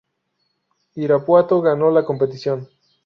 Irapuato ganó la competición.